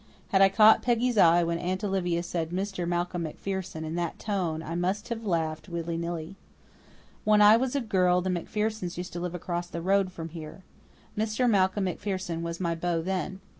Had I caught Peggy's eye when Aunt Olivia said "Mr. Malcolm MacPherson" in that tone I must have laughed, willy nilly. "When I was a girl the MacPhersons used to live across the road from here. Mr. Malcolm MacPherson was my beau then.